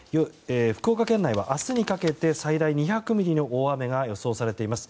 福岡県内は明日にかけて最大２００ミリの大雨が予想されています。